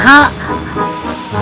yang lebih dekat